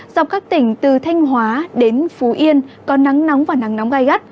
dọc các tỉnh từ thanh hóa đến phú yên có nắng nóng và nắng nóng gai gắt